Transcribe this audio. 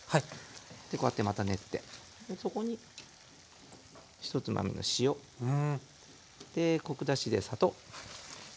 でこうやってまた練ってそこにひとつまみの塩。でコク出しで砂糖。